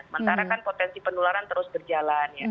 sementara kan potensi penularan terus berjalan ya